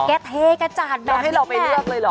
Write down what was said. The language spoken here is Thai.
แกเทกระจาดแบบนี้แหละแล้วให้เราไปเลือกเลยหรอ